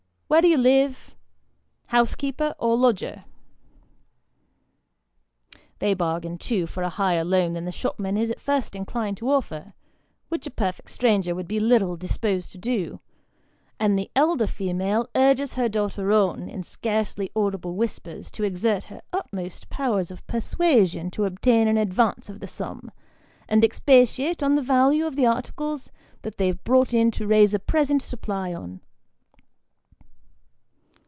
Where do you live ? Housekeeper or lodger ?" They bargain, too, for a higher loan than the shopman is at first inclined to offer, which a perfect stranger would be little disposed to do; and the elder female urges her daughter on, in scarcely audible whispers, to exert her utmost powers of persuasion to obtain an advance of the sum, and expatiate on the value of the articles they have brought to raise a present supply upon.